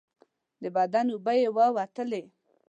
د بدن اوبه یې ووتلې.